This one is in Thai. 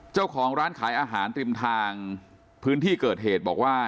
เจ้าของร้านขายอาหารริมทางพื้นที่เกิดเหตุบอกว่า